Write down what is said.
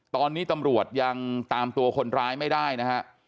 ตอนนี้ตำรวจยังตามตัวคนร้ายไม่ได้นะฮะ